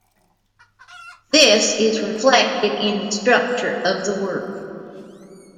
This is reflected in the structure of the work.